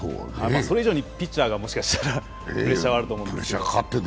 それ以上にピッチャーがもしかしたらプレッシャーはあると思うんですけど。